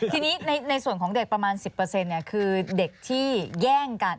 ทีนี้ในส่วนของเด็กประมาณ๑๐คือเด็กที่แย่งกัน